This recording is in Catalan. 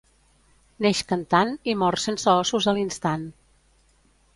Neix cantant i mor sense ossos a l'instant.